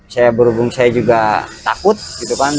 saya berhubung saya juga takut gitu kan